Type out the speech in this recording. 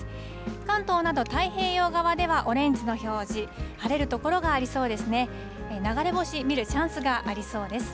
関東など太平洋側ではオレンジの表示、晴れる所がありそうですね。